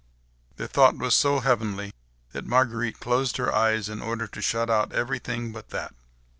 That thought was so heavenly, that Marguerite closed her eyes in order to shut out everything but that.